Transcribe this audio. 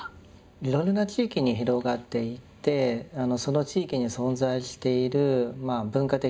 いろいろな地域に広がっていってその地域に存在している文化的な伝統とかですね